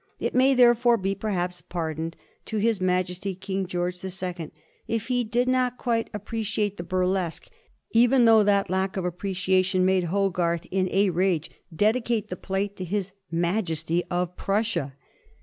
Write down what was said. It may, therefore, be perhaps pardoned to his maj esty King George the Second if he did not quite appre ciate the " burlesque," even though that lack of apprecia tion made Hogarth in a rage dedicate the plate to his majesty of Prussia.